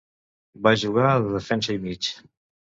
Va jugar de defensa i mig.